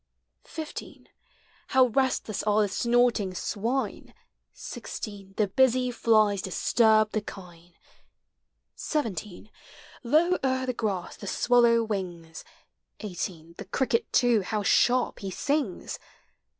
15 How restless are the snorting swine ! 16 The busy flies disturb the kine, 17 Low o'er the grass the swallow wings, 18 The cricket, too, how sharp he sings!